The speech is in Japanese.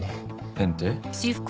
ペンって？